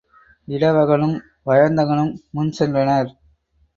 இடவகனும் வயந்தகனும் முன்சென்றனர்.